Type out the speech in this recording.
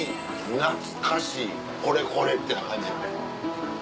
懐かしいこれこれって感じ。